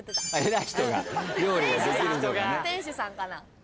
店主さんかな。